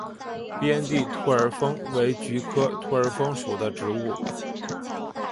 边地兔儿风为菊科兔儿风属的植物。